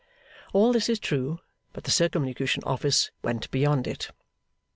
All this is true, but the Circumlocution Office went beyond it.